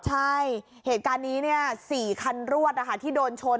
ใช่เหตุการณ์นี้๔คันรวดที่โดนชน